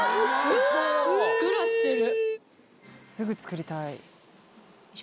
ふっくらしてる。